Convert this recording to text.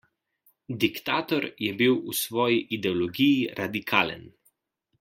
Diktator je bil v svoji ideologiji radikalen.